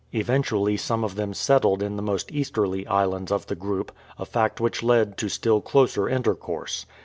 Eventually some of them settled in the most easterly islands of the group, a fact which led to still closer intercourse.